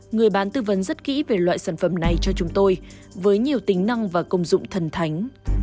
người bán tư vấn rất kỹ về loại sản phẩm này cho chúng tôi với nhiều tính năng và công dụng thần thánh